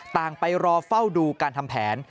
ไปรอเฝ้าดูการทำแผน